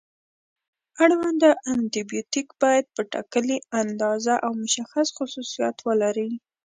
اړونده انټي بیوټیک باید په ټاکلې اندازه او مشخص خصوصیاتو ولري.